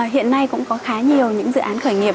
hiện nay cũng có khá nhiều những dự án khởi nghiệp